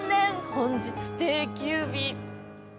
本日定休日！